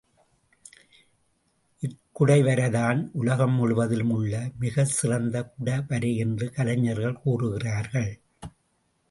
இக்குடைவரைதான் உலகம் முழுவதிலும் உள்ள மிகச் சிறந்த குடைவரை என்று கலைஞர்கள் கூறுகிறார்கள்.